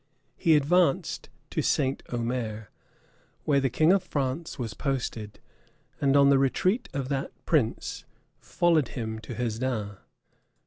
He advanced to St. Omer, where the king of France was posted; and on the retreat of that prince, followed him to Hesdin.